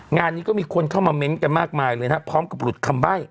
งานนี้ก็มีคนเข้ามาเม้นต์กันมากมายเลยนะครับพร้อมกับหลุดคำใบ้